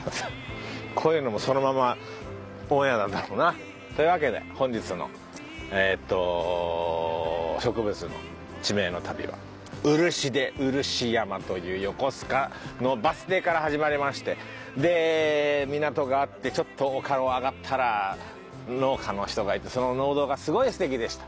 こういうのもそのままオンエアなんだろうな。というわけで本日のえっと植物の地名の旅は「漆」で漆山という横須賀のバス停から始まりましてで港があってちょっと丘を上がったら農家の人がいてその農道がすごい素敵でした。